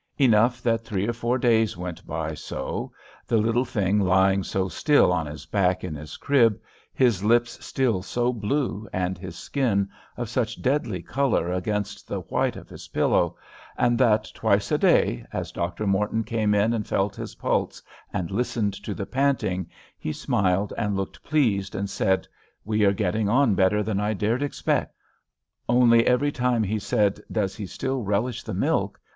Enough that three or four days went by so, the little thing lying so still on his back in his crib, his lips still so blue, and his skin of such deadly color against the white of his pillow, and that, twice a day, as Dr. Morton came in and felt his pulse, and listened to the panting, he smiled and looked pleased, and said, "We are getting on better than I dared expect." Only every time he said, "Does he still relish the milk?"